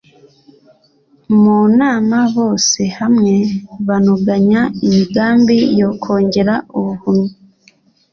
mu nama bose hamwe banoganya imigambi yo kongera ubuhumyi